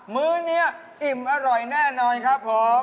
มื้อนี้อิ่มอร่อยแน่นอนครับผม